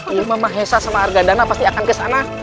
ima mahesa sama arga dana pasti akan kesana